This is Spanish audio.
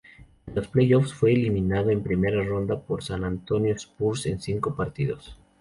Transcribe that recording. En playoffs, fue eliminado en primera ronda por San Antonio Spurs en cinco partidos.